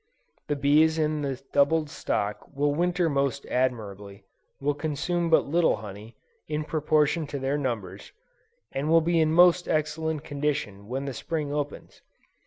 The bees in the doubled stock will winter most admirably; will consume but little honey, in proportion to their numbers, and will be in most excellent condition when the Spring opens.